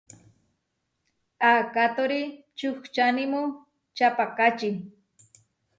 Akátori čuhčánimu čaʼpakáči.